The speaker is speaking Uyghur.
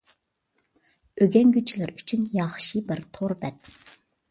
ئۆگەنگۈچىلەر ئۈچۈن ياخشى بىر تور بەت.